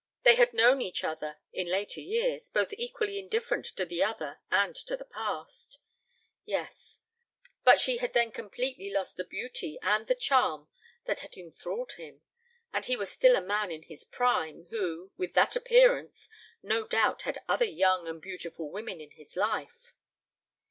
They had known each other in later years, both equally indifferent to the other and to the past. ... Yes ... but she had then completely lost the beauty and the charm that had enthralled him, while he was still a man in his prime, who, with that appearance, no doubt had other young and beautiful women in his life.